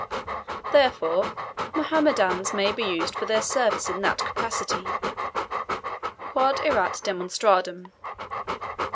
Therefore, Mohammedans may be used for their service in that capacity QUOD ERAT DEMONSTRANDUM."